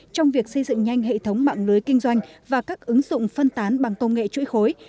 trong việc xây dựng nhanh hệ thống mạng lưới kinh doanh và các ứng dụng phân tán bằng công nghệ chuỗi khối